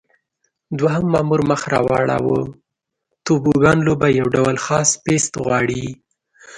دوهم مامور مخ را واړاوه: توبوګان لوبه یو ډول خاص پېست غواړي.